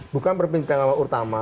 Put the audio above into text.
bukan pertimbangan utama